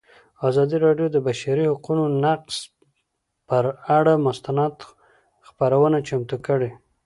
ازادي راډیو د د بشري حقونو نقض پر اړه مستند خپرونه چمتو کړې.